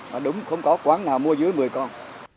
mà đúng không có quán nào mua dưới một mươi con